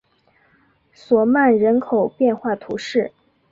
索曼人口变化图示